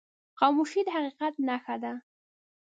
خاموشي، د حقیقت نښه ده.